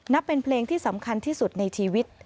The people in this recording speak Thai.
นับเป็นเพลงที่สำคัญที่สุดในชีวิต